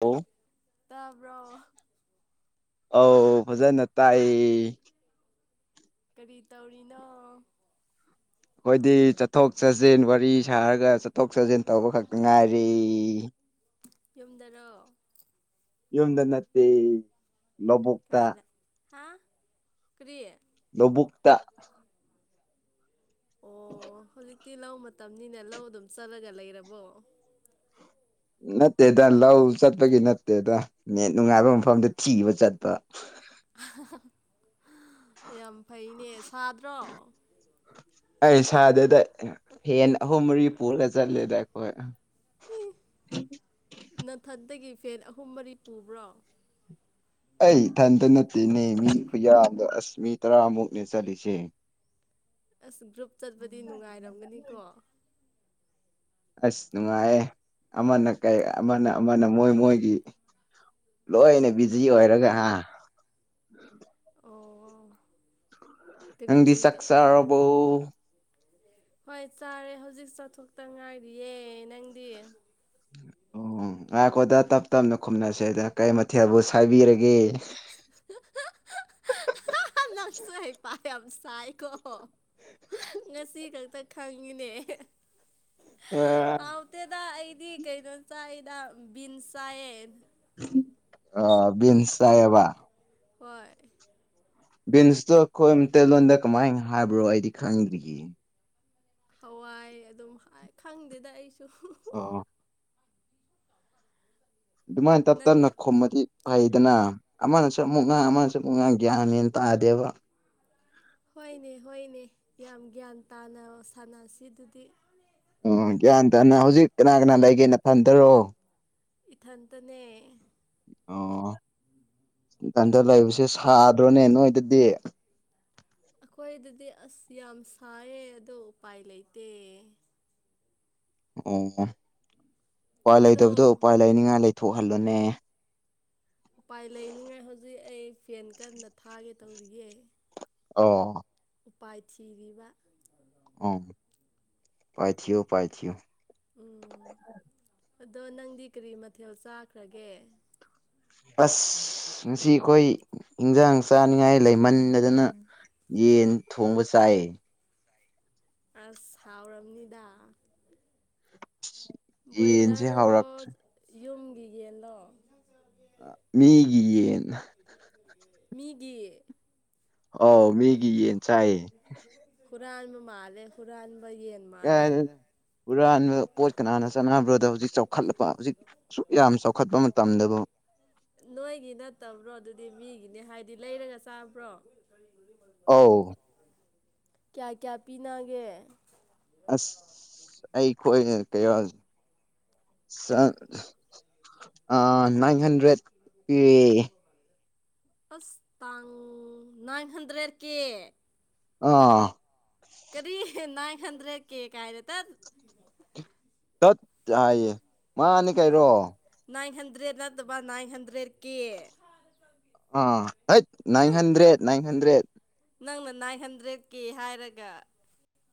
hello ꯇꯥꯕ꯭ꯔꯣ ꯑ ꯐꯖꯅ ꯇꯥꯏ ꯀꯔꯤ ꯇꯧꯔꯤꯅꯣ ꯑꯩꯈꯣꯏꯗꯤ ꯆꯠꯊꯣꯛ ꯆꯠꯁꯤꯟ ꯋꯥꯔꯤ ꯁꯥꯔꯒ ꯆꯠꯊꯣꯛ ꯆꯠꯁꯤꯟ ꯇꯧꯕ ꯈꯛꯇ ꯉꯥꯏꯔꯤ ꯌꯨꯝꯗꯔꯣ ꯌꯨꯝꯗ ꯅꯠꯇꯦ ꯂꯧꯕꯨꯛꯇ ꯀꯥꯏꯗ ꯍꯥ ꯀꯔꯤꯌꯦ ꯂꯧꯕꯨꯛꯇ [inaudible] ꯑꯣ [inaudible] ꯍꯧꯖꯤꯛꯇꯤ ꯂꯧ ꯃꯇꯝꯅꯤꯅ ꯂꯧ ꯑꯗꯨꯝ ꯆꯠꯂꯒ ꯂꯩꯔꯕꯣ ꯅꯠꯇꯦꯗ ꯂꯧ ꯆꯠꯄꯒꯤ ꯅꯠꯇꯦꯗ ꯅꯦꯠ ꯅꯨꯡꯉꯥꯏꯕ ꯃꯐꯝꯗ ꯊꯤꯕ ꯆꯠꯄ ꯌꯥꯝ ꯐꯩꯅꯦ ꯁꯥꯗ꯭ꯔꯣ ꯑꯩ ꯏꯁꯥꯗꯦꯗ ꯐꯦꯟ ꯑꯍꯨꯝ ꯃꯔꯤ ꯄꯨꯔ ꯆꯠꯂꯦꯗ ꯑꯩꯈꯣꯏ ꯎ ꯅꯊꯟꯇꯒꯤ ꯐꯦꯟ ꯑꯍꯨꯝ ꯃꯔꯤ ꯄꯨꯕ꯭ꯔꯣ ꯑꯩ ꯏꯊꯟꯇ ꯅꯠꯇꯦꯅꯦ ꯃꯤ ꯈꯨꯌꯥꯗꯣ ꯑꯁ ꯃꯤ ꯇꯔꯥꯃꯨꯛꯅꯦ ꯆꯠꯂꯤꯁꯦ ꯑꯁ ꯒ꯭ꯔꯨꯞ ꯆꯠꯄꯗꯤ ꯅꯨꯡꯉꯥꯏꯔꯝꯒꯅꯤꯀꯣ ꯑꯁ ꯅꯨꯡꯉꯥꯏꯑꯦ ꯑꯃꯅ ꯀꯩ ꯑꯃꯅ ꯑꯃꯅ ꯃꯣꯏ ꯃꯣꯏꯒꯤ ꯂꯣꯏꯅ ꯕꯤꯖꯤ ꯑꯣꯏꯔꯒ ꯑꯥ ꯑꯣ ꯀꯔꯤ ꯅꯪꯗꯤ ꯀꯔꯤ ꯇꯧ ꯆꯥꯛꯆꯔꯕꯣ ꯍꯣꯏ ꯆꯥꯔꯦ ꯍꯧꯖꯤꯛ ꯆꯥꯊꯣꯛꯇ ꯉꯥꯏꯔꯤꯌꯦ ꯅꯪꯗꯤ ꯑꯣ ꯉꯥꯏꯀꯣꯗ ꯇꯞ ꯇꯞꯅ ꯈꯨꯝꯅꯁꯦꯗ ꯀꯩ ꯃꯊꯦꯜꯕꯨ ꯁꯥꯏꯕꯤꯔꯒꯦ ꯅꯪꯁꯨ ꯍꯩꯄꯁ ꯆꯥꯏꯈꯣ ꯉꯁꯤ ꯈꯛꯇ ꯈꯪꯉꯤꯅꯦ ꯍꯥꯎꯇꯦꯗ ꯑꯩꯗꯤ ꯀꯩꯅꯣ ꯆꯥꯏꯗ ꯕꯤꯟꯁ ꯆꯥꯏꯌꯦ ꯑ ꯕꯤꯟꯁ ꯆꯥꯏꯌꯦ ꯍꯣꯏ ꯕꯤꯟꯁꯇꯣ ꯑꯩꯈꯣꯏ ꯇꯂꯣꯟꯗ ꯀꯃꯥꯏꯅ ꯍꯥꯏꯕ꯭ꯔꯣ ꯑꯩꯗꯤ ꯈꯪꯗ꯭ꯔꯤꯒꯦ ꯍꯋꯥꯏ ꯑꯗꯨꯝ ꯈꯪꯗꯦꯗ ꯑꯩꯁꯨ ꯑ ꯑꯗꯨꯃꯥꯏꯅ ꯇꯞ ꯅꯪ ꯇꯞꯅ ꯈꯣꯨꯝꯃꯗꯤ ꯐꯩꯗꯅ ꯑꯃꯅꯁꯨ ꯑꯃꯨꯛ ꯉꯥꯡ ꯑꯃꯅꯁꯨ ꯃꯨꯛ ꯉ ꯒ꯭ꯌꯥꯟꯅꯦꯅ ꯇꯥꯗꯦꯕ ꯍꯣꯏꯅꯦ ꯍꯣꯏꯅꯦ ꯌꯥꯝ ꯒ꯭ꯌꯥꯟ ꯇꯥꯅ ꯁꯥꯟꯅꯁꯤꯗꯨꯗꯤ ꯑꯣ ꯒ꯭ꯌꯥꯟ ꯇꯥꯅ ꯍꯧꯖꯤꯛ ꯀꯅꯥ ꯀꯅꯥ ꯂꯩꯒꯦꯅ ꯐꯟꯗꯔꯣ ꯏꯊꯇꯅꯦ ꯑꯣ ꯀꯟꯇ ꯂꯩꯕꯁꯦ ꯁꯥꯗ꯭ꯔꯣꯅꯦ ꯅꯣꯏꯗꯗꯤ ꯑꯩꯈꯣꯏꯗꯗꯤ ꯑꯁ ꯌꯥꯝ ꯁꯥꯏꯌꯦ ꯑꯗꯣ ꯎꯄꯥꯏ ꯂꯩꯇꯦ ꯑꯣ ꯎꯄꯥꯏ ꯑꯗꯣ ꯂꯩꯇꯕꯗꯣ ꯎꯄꯥꯏ ꯂꯩꯅꯤꯡꯉꯥꯏ ꯂꯩꯊꯣꯛꯍꯜꯂꯣꯅꯦ ꯎꯄꯥꯏ ꯂꯩꯅꯤꯉꯥꯏ ꯍꯧꯖꯤꯛ ꯑꯩ ꯐꯦꯟ ꯀꯟꯅ ꯊꯥꯒꯦ ꯇꯧꯔꯤꯌꯦ ꯑꯣ ꯎꯄꯥꯏꯊꯤꯔꯤꯕ ꯑ ꯄꯥꯏꯁꯤ ꯄꯥꯏꯁꯤ ꯎꯝ ꯑꯗꯣ ꯅꯪꯗꯤ ꯀꯔꯤ ꯃꯊꯦꯜ ꯆꯥꯈ꯭ꯔꯒꯦ ꯑꯁ ꯉꯁꯤ ꯑꯩꯣꯏ ꯏꯟꯖꯥꯡ ꯆꯥꯅꯤꯡꯉꯥꯏ ꯂꯩꯃꯟꯟꯅꯗꯅ ꯌꯦꯟ ꯊꯣꯡꯕ ꯆꯥꯏ ꯑꯁ ꯁꯥꯎꯔꯝꯅꯤꯗ ꯏꯟꯁꯦ ꯍꯥꯎꯥꯎꯔꯥꯛꯇ꯭ꯔꯔꯤ ꯌꯨꯝꯒꯤ ꯌꯦꯅꯣ ꯃꯤꯒꯤ ꯌꯦꯟ ꯃꯤꯒꯤ ꯑꯥꯎ ꯃꯤꯒꯤ ꯌꯦꯟ ꯆꯥꯏꯌꯦ ꯍꯨꯔꯥꯟꯕ ꯃꯥꯜꯂꯦ ꯍꯨꯔꯥꯟꯕ ꯌꯦꯟ ꯃꯥꯜꯂꯦ ꯀꯥꯏꯗꯩꯅꯣ ꯍꯨꯔꯥꯟꯕ ꯄꯣꯠ ꯀꯅꯥꯅ ꯆꯠꯅꯕ꯭ꯔꯣꯗ ꯍꯧꯖꯤꯛ ꯆꯥꯎꯈꯠꯂꯛꯄ ꯍꯧꯖꯤꯛ ꯑꯁꯨꯛ ꯌꯥꯝ ꯆꯥꯎꯈꯠꯄ ꯃꯇꯝꯗꯕꯨ ꯅꯣꯏꯒꯤ ꯅꯠꯇꯕ꯭ꯔꯣ ꯑꯗꯨꯗꯤ ꯃꯤꯒꯤꯅꯤ ꯍꯥꯏꯗꯤ ꯂꯩꯔꯒ ꯆꯥꯕ꯭ꯔꯣ ꯑ ꯀꯌꯥ ꯀꯌꯥ ꯄꯤꯅꯒꯦ ꯑꯁ ꯑꯩꯈꯣꯏ ꯀꯩꯅ ꯅꯥꯏꯟ ꯍꯟꯗ꯭ꯔꯦꯠ ꯄꯤ ꯑꯁ ꯇꯥꯡꯉ ꯅꯥꯏꯟ ꯍꯟꯗ꯭ꯔꯦꯠꯔꯀꯦ ꯑꯥ ꯀꯔꯤ ꯅꯏ ꯍꯟꯗ꯭ꯔꯦ ꯀꯦꯦꯛ ꯍꯥꯏꯥꯏꯗꯦ ꯇ ꯆꯠ ꯍꯥꯏꯌꯦ ꯃꯥꯅꯤ ꯀꯩꯔꯣ ꯍꯟꯗ꯭ꯔꯦꯗ ꯅꯠꯇꯕ ꯅꯥꯏꯟ ꯍꯟꯗ꯭ꯔꯦꯠ ꯀꯦ ꯑ ꯍꯠꯅꯥꯟ ꯍꯟꯗ꯭ꯔꯦꯠ ꯅꯥꯟ ꯍꯟꯗ꯭ꯔꯦꯠ ꯅꯪꯅ ꯅꯥꯏꯟ ꯍꯟꯗ꯭ꯔꯦꯗꯀꯤꯦ ꯍꯥꯏꯔꯒ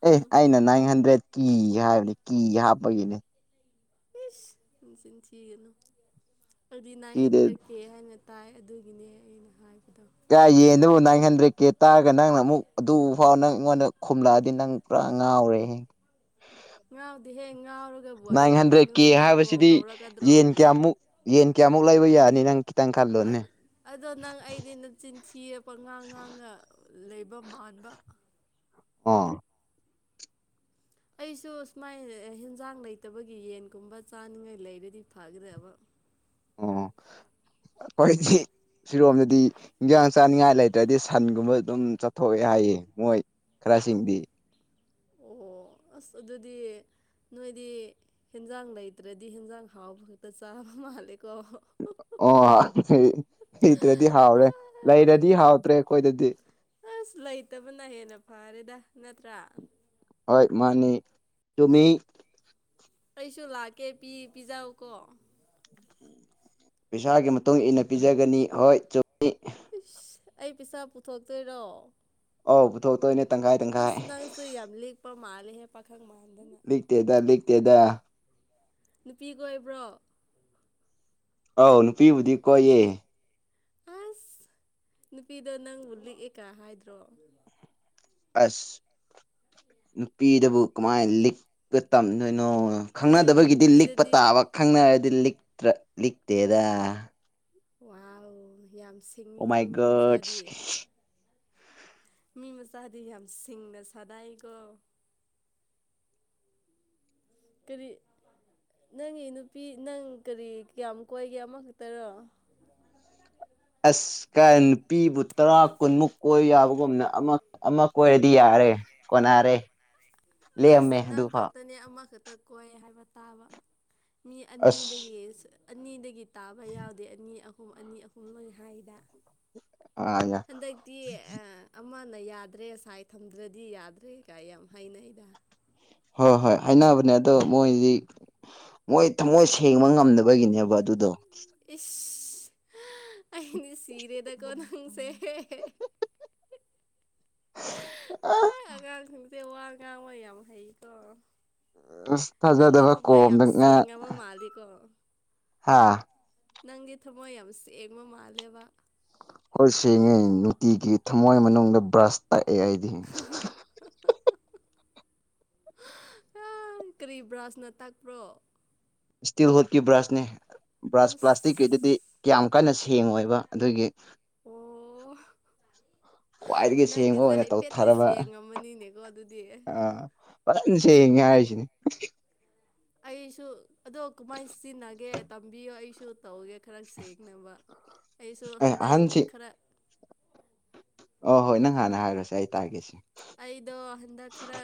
ꯑꯦ ꯑꯩꯅ ꯅꯥꯏꯟ ꯍꯟꯗ꯭ꯔꯦꯗ ꯀꯤ ꯍꯥꯏꯕꯅꯦ ꯀꯤ ꯍꯥꯞꯄꯒꯤꯅꯦ ꯏꯁ ꯁꯤ ꯊꯤꯒꯅꯨ ꯑꯗꯨꯗꯤ ꯅꯥꯏꯟ ꯀꯤꯗ ꯍꯟꯗ꯭ꯔꯦꯗ ꯀꯦ ꯍꯥꯏꯅ ꯇꯥꯏ ꯑꯗꯨꯒꯤꯅꯦ ꯑꯩꯅ ꯍꯥꯏ ꯀꯥ ꯌꯦꯟꯗꯨꯕꯨ ꯅꯥꯏꯟ ꯍꯟꯗ꯭ꯔꯦꯗ ꯀꯦ ꯇꯥꯔꯒ ꯅꯪꯅ ꯑꯃꯨꯛ ꯑꯗꯨ ꯐꯥꯎ ꯅꯪ ꯑꯩꯉꯣꯟꯗ ꯈꯨꯝꯂꯛꯑꯗꯤ ꯅꯪ ꯄꯨꯔꯥ ꯉꯥꯎꯔꯦ ꯉꯥꯎꯗꯤ ꯍꯌꯦ ꯅꯥꯏꯟ ꯍꯟꯗ꯭ꯔꯦꯗ ꯀꯦ ꯍꯥꯏꯕꯁꯤꯗꯤ ꯇꯧꯔꯛꯀꯗ꯭ꯔꯣ ꯌꯦꯟ ꯀꯌꯥꯃꯨꯛ ꯌꯦꯟ ꯀꯌꯥꯃꯨꯛ ꯂꯩꯕ ꯌꯥꯅꯤ ꯅꯪ ꯈꯤꯇꯪ ꯈꯜꯂꯣꯅꯦ ꯑꯗꯣ ꯅꯪ ꯑꯩꯗꯤ ꯅ ꯆꯤꯟꯊꯤ ꯑꯄ ꯉꯥꯡ ꯉꯥꯡꯅ ꯂꯩꯕ ꯃꯥꯟꯕ ꯑꯥ ꯑꯩꯁꯨ ꯁꯨꯃꯥꯏꯅ ꯍꯟꯖꯥꯡ ꯂꯩꯇꯕꯒꯤ ꯌꯦꯟꯒꯨꯝꯕ ꯆꯥꯅꯤꯡꯉꯥꯏ ꯂꯩꯕꯗꯤ ꯐꯈ꯭ꯔꯦꯕ [unintelligible] ꯑꯩꯣꯏꯁꯤ ꯁꯤꯔꯣꯝꯗꯗꯤ ꯍꯟꯖꯥꯡ ꯆꯥꯅꯤꯡꯉꯥꯏ ꯂꯩꯇ꯭ꯔꯗꯤ ꯁꯟꯒꯨꯝꯕ ꯑꯗꯨꯝ ꯆꯠꯊꯣꯛꯑꯦ ꯍꯥꯏꯌꯦ ꯃꯣꯏ ꯀ꯭ꯔꯁꯤꯗꯤ ꯑꯣ ꯑꯣ ꯑꯁ ꯑꯗꯨꯗꯤ ꯅꯣꯏꯗꯤ ꯍꯦꯟꯖꯥꯡ ꯂꯩꯇ꯭ꯔꯗꯤ ꯌꯦꯦꯟꯖꯥꯡ ꯍꯥꯎꯕ ꯈꯛꯇ ꯆꯥꯕ ꯃꯥꯜꯂꯦ ꯑꯣ ꯂꯩꯇ꯭ꯔꯗꯤ ꯍꯥꯎꯔꯦ ꯂꯩꯔꯗꯤ ꯍꯥꯎꯇ꯭ꯔꯦ ꯑꯩꯈꯣꯏꯗꯗꯤ ꯑꯁ ꯂꯩꯇꯕꯅ ꯍꯦꯟꯅ ꯐꯔꯦꯗ ꯅꯠꯇ꯭ꯔꯥ ꯍꯣꯏ ꯃꯥꯅꯤ ꯇꯃꯤ ꯑꯩꯁꯨ ꯂꯥꯛꯀꯦ ꯄꯤ ꯄꯤꯖꯥꯎ ꯀꯣ ꯄꯩꯁꯥꯒꯤ ꯃꯇꯨꯡ ꯏꯟꯅ ꯄꯤꯖꯒꯅꯤ ꯍꯣꯏ ꯆꯨꯝꯅꯤ ꯏꯁꯁ ꯑꯩ ꯄꯩꯁꯥ ꯄꯨꯊꯣꯛꯇꯣꯏꯔꯣ ꯑꯧ ꯄꯨꯊꯣꯛꯇꯣꯏꯅꯦ ꯇꯪꯈꯥꯏ ꯇꯪꯈꯥꯏ ꯃꯥꯂꯦ ꯍꯦ ꯄꯥꯈ ꯃꯥ ꯂ ꯂꯤꯈꯇꯦꯗ ꯂ ꯂꯤꯈꯇꯦꯗ ꯅꯨꯄꯤꯒ ꯑꯣꯏꯕ꯭ꯔꯣ ꯑꯥꯎ ꯅꯨꯄꯤꯕꯨꯗꯤ ꯀꯣꯏꯌꯦ ꯑꯁ ꯅꯨꯄꯤꯗ ꯅꯪꯕꯨ ꯂꯤꯛꯑꯦ ꯀ ꯍꯥꯏꯗ꯭ꯔꯣ ꯑꯁ ꯅꯨꯄꯤꯗꯕꯨ ꯀꯃꯥꯏꯅ ꯂꯤꯛꯄ ꯇꯝꯗꯣꯏꯅꯣ ꯅꯪꯒꯤ ꯈꯪꯅꯗꯕꯒꯤꯗꯤ ꯂꯤꯛꯄ ꯅꯨꯄꯤꯗꯗꯤ ꯇꯥꯕ ꯈꯪꯅꯔꯗꯤ ꯂꯤꯛꯇ꯭ꯔ ꯂꯤꯛꯇꯦꯗ ꯋꯥ ꯌꯥꯝ ꯑꯣ ꯁꯤꯡꯉꯤꯀꯣ ꯃꯥꯏ ꯃꯤ ꯃꯆꯥꯗꯤ ꯔꯠꯁ ꯃꯤ ꯃꯆꯥꯗꯤ ꯌꯥꯝ ꯁꯤꯡꯅ ꯁꯗꯥꯏꯀꯣ ꯀꯔꯤ ꯅꯪꯒꯤ ꯅꯨꯄꯤ ꯅꯪ ꯀꯔꯤ ꯀꯌꯥꯝ ꯀꯣꯏꯒꯦ ꯑꯃꯈꯛꯇꯔꯣ ꯑꯁꯀ ꯅꯨꯄꯤꯕꯨ ꯇꯔꯥ ꯀꯨꯟꯃꯨꯛ ꯀꯣꯏ ꯌꯥꯕꯒꯨꯝꯅ ꯑꯃ ꯀꯣꯏꯔꯗꯤ ꯌꯥꯏ ꯑꯔꯦ ꯀꯅꯥꯔꯦ ꯑꯁ ꯅꯪ ꯈꯛꯇꯅꯦ ꯑꯃꯈꯛꯇ ꯀꯣꯏ ꯍꯥꯏꯕ ꯇꯥꯕ ꯃꯤ ꯑꯁ ꯑꯅꯤꯗꯒꯤ ꯑꯅꯤꯗꯒꯤ ꯇꯥꯕ ꯌꯥꯎꯗꯦ ꯑꯅꯤ ꯑꯍꯨꯝ ꯑꯅꯤ ꯑꯍꯨꯝ ꯂꯣꯏ ꯍꯥꯏꯗ ꯑ ꯍꯗꯤ ꯑ ꯑꯃꯅ ꯌꯥꯗ꯭ꯔꯦ ꯉꯥꯏ ꯊꯝꯗ꯭ꯔꯗꯤ ꯌꯥꯗ꯭ꯔꯦ ꯀꯥꯏ ꯌꯥꯝ ꯍꯩꯅꯩꯗ ꯍꯣꯏ ꯍꯣꯏ ꯍꯥꯏꯅꯕꯅꯦ ꯑꯗꯣ ꯃꯣꯏꯗꯤ ꯃꯣꯏ ꯊꯃꯣꯏ ꯁꯦꯡꯕ ꯉꯝꯗꯕꯒꯤꯅꯦꯕ ꯑꯗꯨꯗꯣ ꯏꯁ ꯑꯩꯅ ꯁꯤꯤꯔꯗ ꯀꯣꯅꯪꯁꯦ ꯑ ꯑꯉꯥꯡꯁꯤꯡꯁꯦ ꯋꯥ ꯉꯥꯡ ꯑꯣꯏ ꯌꯥꯝ ꯍꯩꯀꯣ ꯅꯪꯗꯤ ꯐꯖꯗꯕ ꯊꯕꯛ ꯌꯥꯝ ꯀꯣꯝꯗꯅ ꯁꯦꯡꯉꯕ ꯃꯥꯜꯂꯤꯀꯣ ꯍꯥ ꯅꯪꯗꯤ ꯊꯃꯣꯏ ꯌꯥꯝ ꯁꯦꯡꯕ ꯃꯥꯜꯂꯦꯕ ꯍꯣꯏ ꯁꯦꯡꯉꯦ ꯅꯨꯡꯇꯤꯒꯤ ꯊꯝꯃꯣꯏ ꯃꯅꯨꯡꯗ ꯕ꯭ꯔꯥꯁ ꯇꯥꯏ [unintelligible] ꯑ ꯀꯔꯤ ꯕ꯭ꯔꯥꯟꯁꯅ ꯇꯥꯛꯄ꯭ꯔꯣ ꯏꯁꯇꯤꯜ ꯍꯣꯠꯀꯤ ꯕ꯭ꯔꯁꯅꯦ ꯕ꯭ꯔꯁ ꯑꯁ ꯄ꯭ꯂꯥꯁꯇꯤꯛꯀꯤꯗꯨꯗꯤ ꯀꯌꯥꯝ ꯀꯟꯅ ꯁꯦꯡ ꯑꯣꯏꯕ ꯑꯗꯨꯒꯤ ꯑꯣ ꯈ꯭ꯋꯥꯏꯗꯒꯤ ꯁꯦꯡꯕ ꯅꯪꯒꯤꯁꯦ ꯑꯣꯏꯅ ꯍꯥꯏꯐꯦꯠꯇꯤ ꯇꯧꯊꯔꯕ ꯁꯦꯡꯉꯝꯃꯅꯤꯅꯦꯀꯣ ꯑꯗꯨꯗꯤ ꯐꯟꯁꯉꯦ ꯍꯥꯏꯔꯤꯁꯤꯅꯦ ꯑꯩꯁꯨ ꯑꯗꯣ ꯀꯃꯥꯏꯅ ꯁꯤꯖꯤꯟꯅꯒꯦ ꯇꯝꯕꯤꯌꯣ ꯑꯩꯁꯨ ꯇꯧꯒꯦ ꯈꯔ ꯁꯦꯡꯅꯕ ꯑꯩꯁꯨ ꯑꯦ ꯍꯟꯗꯛ ꯑꯍꯟꯁꯤ ꯈꯔ ꯑ ꯍꯣꯏ ꯅꯪ ꯍꯥꯟꯅ ꯍꯥꯏꯔꯨꯔꯁꯦ ꯑꯩ ꯇꯥꯔꯒꯦꯁꯦ ꯑꯩꯗꯣ ꯍꯟꯗꯛ ꯈꯔ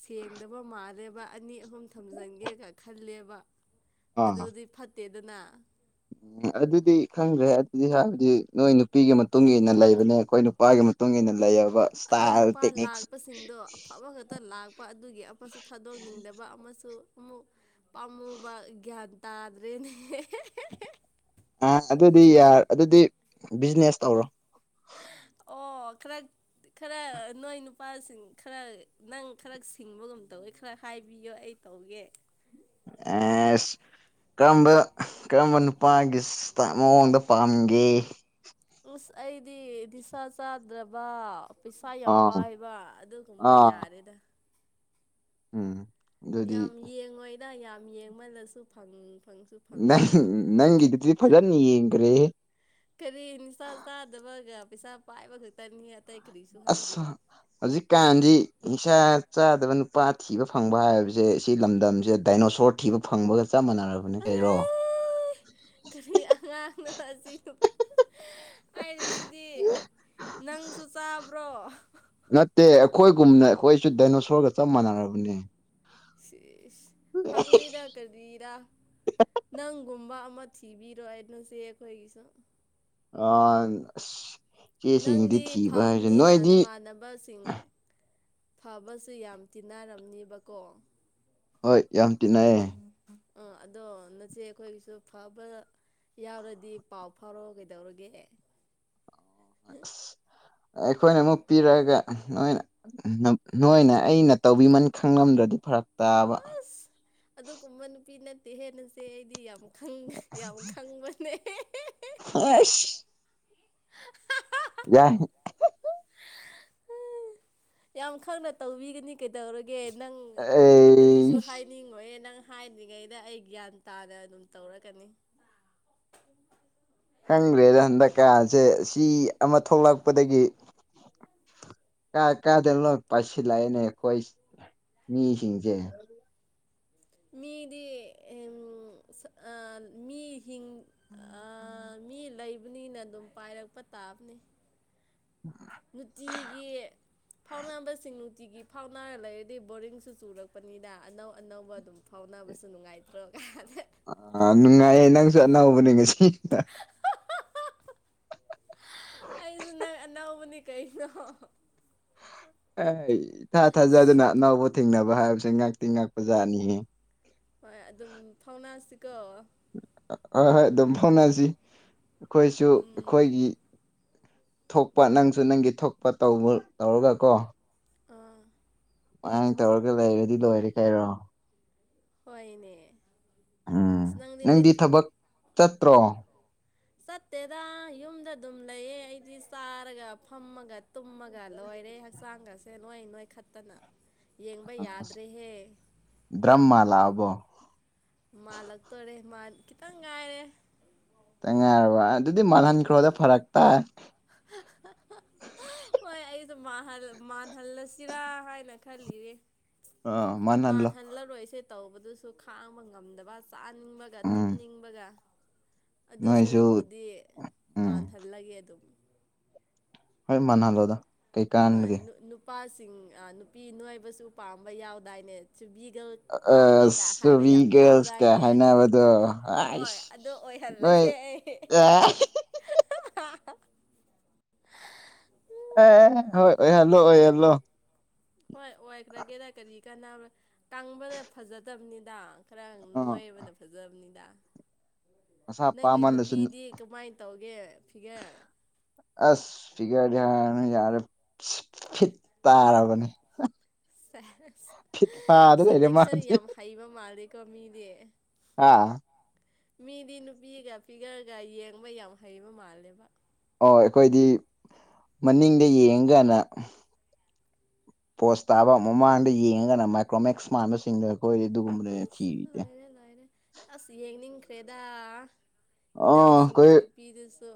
ꯁꯦꯡꯗꯕ ꯃꯥꯜꯂꯦꯕ ꯑꯅꯤ ꯑꯩ ꯑꯍꯨꯝ ꯊꯝꯖꯤꯟꯒꯦꯒ ꯈꯜꯂꯦꯕ ꯑꯗꯨꯗꯤ ꯐꯠꯇꯦꯗꯅ ꯎꯝ ꯑꯗꯨꯗꯤ ꯈꯪꯗ꯭ꯔꯦ ꯑꯗꯨꯗꯤ ꯍꯥꯏꯕꯗꯤ ꯅꯣꯏ ꯅꯨꯄꯤꯒꯤ ꯃꯇꯨꯡ ꯏꯟꯅ ꯂꯩꯕꯅꯦ ꯑꯩꯈꯣꯏ ꯅꯨꯄꯥꯒꯤ ꯃꯇꯨꯡ ꯏꯟꯅ ꯣ ꯑꯗꯣ ꯅꯨꯄꯥ ꯂꯥꯛꯄꯁꯤꯡꯗꯣ ꯑꯐꯕ ꯈꯛꯇ ꯂꯥꯛ ꯑꯗꯨꯒꯤ ꯑꯃꯁꯨ ꯊꯥꯗꯣꯛꯅꯤꯡꯗꯕ ꯑꯃꯁꯨ ꯑꯃ ꯄꯥꯝꯃꯨꯕ ꯒ꯭ꯌꯥꯟ ꯇꯥꯗ꯭ꯔꯦꯅꯦ ꯑ ꯑꯗꯨꯗꯤ ꯌꯥꯔ ꯑꯗꯨꯗꯤ ꯕꯤꯖꯤꯅꯦꯁ ꯇꯧꯔꯣ ꯑꯣ ꯀꯩꯅ ꯈꯔ ꯅꯣꯏ ꯅꯨꯄꯥꯁꯤꯡ ꯈꯔ ꯅꯪ ꯈꯔ ꯁꯤꯡꯕꯒꯨꯝ ꯇꯧꯋꯦ ꯈꯔ ꯍꯥꯏꯕꯤꯌꯣ ꯑꯩ ꯇꯧꯒꯦ ꯑ ꯀꯔꯝꯕ ꯀꯔꯝꯕ ꯅꯨꯄꯥꯒꯤ ꯃꯑꯣꯡꯗ ꯄꯥꯝꯒꯦ ꯎꯁ ꯑꯩꯗꯤ ꯗꯤꯁꯥ ꯆꯥꯗ꯭ꯔꯕ ꯄꯩꯁꯥ ꯌꯥꯝ ꯑꯥ ꯄꯥꯏꯕ ꯑꯗꯨꯒꯨꯝꯕ ꯑꯥ ꯌꯥꯔꯦꯗ ꯎꯝ ꯑꯗꯨꯗꯤ ꯌꯥꯝ ꯌꯦꯡꯉꯣꯏꯗ ꯌꯥꯝ ꯌꯦꯡꯃꯜꯂꯁꯨ ꯐꯪ ꯐꯪꯁꯨ ꯅꯪ ꯐꯪꯉꯣꯏꯕ ꯅꯪꯒꯤꯗꯨꯗꯤ ꯐꯖꯅ ꯌꯦꯡꯈ꯭ꯔꯦ ꯀꯔꯤ ꯅꯤꯁꯥ ꯆꯥꯗꯕꯒ ꯄꯩꯁꯥ ꯄꯥꯏꯕ ꯈꯛꯇꯅꯤ ꯑꯇꯩ ꯀꯔꯤꯁꯨ ꯍꯥꯏꯗꯦ ꯑꯁ ꯍꯧꯖꯤꯛ ꯀꯥꯟꯥꯟꯗꯤ ꯏꯁꯥ ꯆꯥꯗꯕ ꯅꯨꯄꯥ ꯊꯤꯕ ꯐꯪꯕ ꯍꯥꯏꯕꯁꯦ ꯁꯤ ꯂꯝꯗꯝꯁꯦ ꯗꯥꯏꯅꯣꯁꯣꯔ ꯊꯤꯕ ꯐꯪꯕꯒ ꯆꯞ ꯃꯥꯟꯅꯔꯕꯅꯦ ꯀꯩꯔꯣ ꯀꯔꯤ ꯑꯔꯤ ꯁꯤꯗꯤ ꯅꯪꯁꯨ ꯆꯥꯕ꯭ꯔꯣ ꯅꯠꯇꯦ ꯑꯩꯈꯣꯏꯒꯨꯝꯅ ꯑꯩꯈꯣꯏꯁꯨ ꯗꯥꯏꯅꯣꯁꯣꯔꯒ ꯆꯞ ꯃꯥꯟꯅꯔꯕꯅꯦ ꯁꯤꯁ ꯐꯪꯅꯤꯗ ꯀꯔꯤꯔ ꯅꯪꯒꯨꯝꯕ ꯃ ꯊꯤꯕꯤꯔꯣꯅꯣ ꯁꯤꯦ ꯑꯣꯏꯣꯏꯒꯤꯁꯣ ꯑ ꯆꯦꯁꯤꯡꯗꯤ ꯅꯪꯗꯤ ꯊꯤꯕ ꯍꯥꯏꯁꯦ ꯐꯕꯅꯤꯅ ꯅꯣꯏꯗꯤ ꯅꯃꯥꯟꯅꯕꯁꯤꯡ ꯐꯕꯁꯨ ꯌꯥꯝ ꯇꯤꯟꯅꯔꯝꯅꯤꯕꯀꯣ ꯍꯣꯏ ꯌꯥꯝ ꯇꯤꯟꯅꯑꯌꯦ ꯑ ꯑꯗꯣ ꯅꯆꯦ ꯑꯩꯈꯣꯏꯒꯤꯁꯨ ꯐꯕ ꯌꯥꯎꯔꯗꯤ ꯄꯥꯎ ꯐꯥꯎꯔꯣ ꯀꯩꯗꯧꯔꯒꯦ [unintelligible] ꯑꯩꯈꯣꯏꯅ ꯑꯃꯨꯛ ꯄꯤꯔꯛꯑꯒ ꯅꯣꯏꯅ ꯅꯣꯏꯅ ꯑꯩꯅ ꯇꯧꯕꯤꯃꯟ ꯈꯪꯂꯝꯗ꯭ꯔꯗꯤ ꯐꯔꯛ ꯇꯥꯕ ꯑꯁ ꯑꯗꯨꯒꯨꯝꯕ ꯅꯨꯄꯤ ꯅꯠꯇꯦ ꯍꯦꯟꯅꯁꯦ ꯑꯩꯗꯤ ꯌꯥꯝ ꯌꯥꯝ ꯈꯪꯕꯅꯦ ꯑꯁ [unintelligible] ꯌꯥꯏ ꯌꯥꯝ ꯈꯪꯅ ꯇꯧꯕꯤꯒꯅꯤ ꯀꯩꯗꯧꯔꯒꯦ ꯅꯪ ꯑꯩ ꯀꯔꯤꯁꯨ ꯍꯥꯏꯅꯤꯡꯉꯣꯏ ꯅꯪ ꯍꯥꯏ꯭ꯔꯤꯉꯩꯗ ꯑꯩ ꯒ꯭ꯌꯥꯟ ꯇꯥꯅ ꯑꯗꯨꯝ ꯇꯧꯔꯛꯀꯅꯤ ꯈꯪꯈ꯭ꯔꯦꯗ ꯍꯟꯗꯛꯀꯁꯦ ꯁꯤ ꯑꯃ ꯊꯣꯛꯂꯛꯄꯗꯒꯤ ꯀꯥ ꯀꯥꯗꯂꯣ ꯄꯁꯤ ꯂꯥꯏꯅꯦ ꯀꯣꯏ ꯃꯤꯁꯤꯡꯁꯦ ꯃꯤꯗꯤ ꯎ ꯃꯤꯤꯡ ꯃꯤ ꯂꯩꯕꯅꯤꯅ ꯑꯗꯨꯝ ꯄꯥꯏꯔꯛꯄ ꯄꯇꯥꯕꯅꯤ ꯅꯨꯡꯇꯤꯒꯤ ꯐꯥꯎꯅꯥꯕꯁꯤꯡ ꯅꯨꯡꯇꯤꯒꯤ ꯐꯥꯎꯅꯥꯔ ꯂꯩꯔꯗꯤ ꯕꯣꯔꯤꯡꯁꯨ ꯆꯨꯔꯛꯄꯅꯤꯅ ꯑꯅꯧ ꯑꯅꯧꯕ ꯑꯗꯨꯝ ꯐꯥꯎꯅ ꯍꯣꯠꯅꯕꯁꯨ ꯅꯨꯡꯉꯥꯏꯇ꯭ꯔꯣ ꯀ ꯑ ꯅꯨꯡꯉꯥꯏꯌꯦ ꯅꯪꯁꯨ ꯑꯅꯧꯕꯅꯦ ꯉꯁꯤ ꯑꯩꯁꯨ ꯅ ꯑꯅꯧꯕꯅꯤ ꯀꯩꯅꯣ ꯑꯦ ꯊꯥ ꯊꯥꯖꯗꯅ ꯑꯅꯥꯎꯕ ꯊꯦꯡꯅꯕ ꯍꯥꯏꯕꯁꯦ ꯉꯥꯛꯇꯤ ꯉꯥꯛꯄ ꯖꯥꯠꯅꯤꯍꯦ ꯍꯣꯏ ꯑꯗꯨꯝ ꯊꯧꯅꯥꯁꯤꯀꯣ ꯍꯣꯏ ꯍꯣꯏ ꯑꯗꯨꯝ ꯐꯥꯎꯅꯁꯤ ꯑꯩꯈꯣꯏꯁꯨ ꯎꯝ ꯑꯩꯈꯣꯏꯒꯤ ꯊꯣꯛꯄ ꯅꯪꯁꯨ ꯅꯪꯒꯤ ꯊꯣꯛꯄ ꯇꯧꯔꯒ ꯀꯣ ꯑꯥ ꯅꯪ ꯇꯧꯔꯒ ꯂꯩꯔꯗꯤ ꯂꯣꯏꯔꯦ ꯀꯥꯏꯔꯣ ꯍꯣꯏꯅꯦ ꯎꯝ ꯑꯁ ꯃꯩ ꯅꯪꯗꯤ ꯊꯕꯛ ꯆꯠꯇ꯭ꯔꯣ ꯆꯠꯇꯦꯗ ꯌꯨꯝꯗ ꯑꯗꯨꯝ ꯂꯩꯌꯦ ꯑꯩꯗꯤ ꯆꯥꯔꯒ ꯐꯝꯃꯒ ꯇꯨꯝꯃꯒ ꯂꯣꯏ ꯀꯔꯦ ꯍꯛꯆꯥꯡꯒꯁꯦ ꯅꯣꯏ ꯅꯣꯏ ꯈꯠꯇꯅ ꯕ꯭ꯔꯝꯃꯂꯥ ꯑꯕꯣ ꯃꯥꯜꯂꯛꯇꯣꯔꯦ ꯈꯤꯇꯪ ꯉꯥꯏꯔꯦ ꯇꯦꯡꯉꯥꯏꯔꯔꯕ ꯑꯗꯨꯗꯤ ꯃꯅꯥꯍꯥꯟ ꯑꯥ ꯀ꯭ꯔꯣꯗ ꯐꯔꯥꯛ ꯇꯥꯏ ꯃꯜꯍꯜꯂꯁꯤꯔꯥ ꯍꯥꯏꯅ ꯈꯜꯂꯤꯔꯦ ꯑ ꯃꯅꯜꯂꯣ ꯇꯧꯕꯗꯨꯁꯨ ꯈꯥꯡꯕ ꯉꯝꯗꯕ ꯆꯥꯅꯤꯡꯕꯒ ꯎꯝ ꯇꯨꯝꯅꯤꯡꯕꯒ ꯑꯗꯨ ꯅꯣꯏꯁꯨ ꯁꯔꯨꯛꯄꯨꯗꯤ ꯎꯝ ꯃꯥꯟꯍꯜꯂꯒꯦ ꯑꯗꯨꯝ ꯍꯣꯏ ꯃꯅꯍꯂꯣꯣ ꯍꯣꯏ ꯅꯨꯄꯥꯁꯤꯡ ꯅꯨꯄꯤ ꯅꯣꯏꯕꯁꯨ ꯄꯥꯝꯕ ꯌꯥꯎꯗꯥꯏꯅꯦ ꯆꯨꯕꯤꯒ ꯄꯥꯝꯃꯦꯀ ꯍꯥꯏꯕ ꯌꯥꯝ ꯑꯒꯁ ꯀ ꯌꯥꯎꯗꯥꯏꯅꯦ ꯍꯥꯏꯅꯕꯗꯣ ꯍꯥꯏ ꯍꯣꯏ ꯑꯗꯨ ꯅꯣꯏ ꯑꯣꯏꯍꯜꯂꯒꯦ ꯑꯩ ꯑꯦ [inaudible] ꯑꯦ ꯍꯣꯏ ꯑꯣꯏ ꯍꯜꯂꯣ ꯑꯣꯏ ꯍꯜꯂꯣ ꯍꯣꯏ ꯑꯣꯏꯈ꯭ꯔꯒꯦꯗ ꯀꯔꯤ ꯀꯥꯟꯅꯕ ꯀꯪꯕꯗ ꯐꯖꯗꯕꯅꯤꯗ ꯈꯔ ꯑꯥ ꯅꯣꯏꯕꯅ ꯐꯖꯕꯅꯤꯗ ꯃꯁꯥ ꯅꯪꯒꯤ ꯄꯥꯝꯃꯜꯂꯁꯨ ꯅꯨꯄꯤꯗꯤ ꯀꯃꯥꯏꯅ ꯇꯧꯒꯦ ꯐꯤꯒꯦ ꯑꯁ ꯐꯤꯒꯔ ꯌꯥꯔꯅꯤ ꯌꯥꯔꯦ ꯐꯤꯠ ꯇꯥꯔꯕꯅꯦ ꯐꯤꯠ ꯐꯥꯗ ꯂꯩꯔꯦ ꯁꯦꯂꯦꯛꯁꯟ ꯃꯥꯗꯤ ꯌꯥꯝ ꯍꯩꯕ ꯃꯥꯜꯂꯦꯀꯣ ꯃꯤꯗꯤ ꯑꯥ ꯃꯤꯗꯤ ꯅꯨꯄꯤꯒ ꯐꯤꯒꯔꯒ ꯌꯦꯡꯕ ꯌꯥꯝ ꯍꯩꯕ ꯃꯥꯜꯂꯦꯕ ꯑꯣ ꯑꯩꯈꯣꯏꯗꯤ ꯃꯅꯤꯡꯗ ꯌꯦꯡꯒꯅ ꯄꯣꯁ ꯇꯥꯕ ꯃꯃꯥꯡꯗ ꯌꯦꯡꯉꯒꯅ ꯃꯥꯏꯀ꯭ꯔꯣꯃꯦꯛꯁ ꯃꯥꯟꯕꯁꯤꯡꯗ ꯍꯣꯏꯗꯤ ꯑꯗꯨꯒꯨꯝꯕꯅꯅ ꯑꯁ ꯊꯤꯔꯤꯁꯦ ꯐꯦꯗꯥ ꯑꯣ ꯏꯅꯥꯎꯁꯤꯡꯒꯤ ꯅꯨꯄꯤꯗꯨꯁꯨ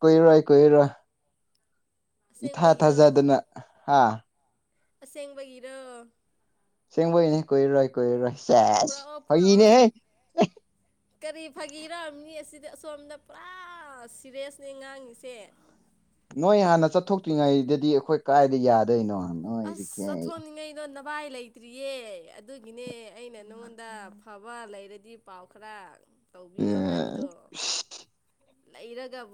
ꯀꯨꯏꯔ‌ꯣꯏ ꯀꯨꯏꯔ‌ꯣꯏ ꯏꯊꯥ ꯑꯁꯦꯡꯕꯒꯤꯔꯣ ꯊꯥꯖꯗꯅ ꯍꯥꯥ ꯑꯁꯦꯡꯦꯡ ꯋꯥꯒꯦꯔ ꯁꯦꯡꯕꯣꯏꯅꯦ ꯀꯨꯏꯔꯣꯏ ꯀꯨꯏꯔꯣꯏ ꯁꯦꯁ ꯄꯨꯔꯛꯑꯣ ꯄꯨꯔꯛꯑꯣ ꯐꯥꯒꯤꯅꯦꯍꯦ ꯀꯔꯤ ꯐꯥꯒꯤꯔꯥꯃꯤ ꯑꯁꯤ ꯑꯗꯨꯗꯤ ꯑꯁꯣꯝꯗ ꯄꯨꯔꯥ ꯁꯤꯦꯔꯤꯦꯁꯅꯦ ꯉꯥꯡꯉꯤꯁꯦ ꯅꯣꯏ ꯍꯥꯟꯅ ꯆꯠꯊꯣꯛꯇ꯭ꯔꯤꯉꯩꯗꯗꯤ ꯑꯩꯈꯣꯏ ꯀꯥꯏꯗ ꯌꯥꯗꯣꯏꯅꯣ ꯅꯣꯏꯁꯤ ꯑꯁ ꯀꯌꯥ ꯊꯣꯡꯅꯤꯡ ꯏꯗ ꯅ ꯀꯕꯥꯏ ꯂꯩꯇ꯭ꯔꯤꯌꯦ ꯑꯗꯨꯒꯤꯅꯦ ꯑꯩꯅ ꯅꯉꯣꯟꯗ ꯐꯕ ꯂꯩꯔꯗꯤ ꯄꯥꯎ ꯈꯔ ꯇꯧꯕꯤꯌꯣ ꯑ ꯂꯩꯔꯒꯕ